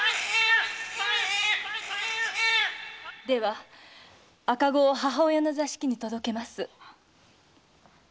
⁉では赤子を母親の座敷に届けます。